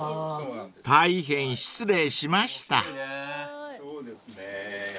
［大変失礼しました］